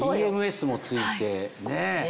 ＥＭＳも付いてね。